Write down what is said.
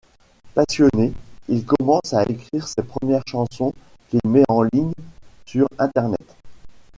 Passionné, il commence à écrire ses premières chansons qu'il met en ligne sur Internet.